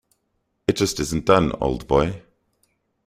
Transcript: It just isn't done, old boy.